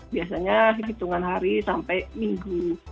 biasanya dihitungan hari sampai minggu